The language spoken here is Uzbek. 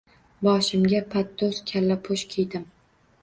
Boshimga paddo‘z kallapo‘sh kiydim.